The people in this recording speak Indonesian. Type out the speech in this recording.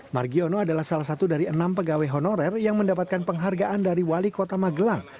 margiono adalah salah satu dari enam pegawai honorer yang mendapatkan penghargaan dari wali kota magelang